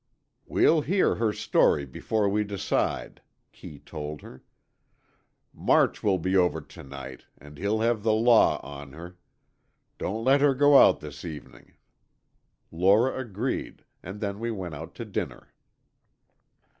"We'll hear her story before we decide," Kee told her. "March will be over to night, and he'll have the law on her! Don't let her go out this evening." Lora agreed and then we went out to dinner.